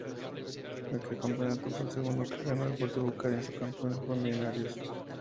Este campeonato fue el segundo que ganó Deportivo Cali, el subcampeón fue Millonarios.